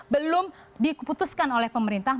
belum diputuskan oleh pemerintah